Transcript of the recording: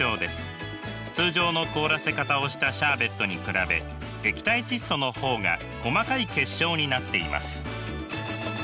通常の凍らせ方をしたシャーベットに比べ液体窒素の方が細かい結晶になっています。